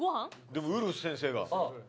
でもウルフ先生が。